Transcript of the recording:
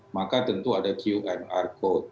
maka tentu ada qr code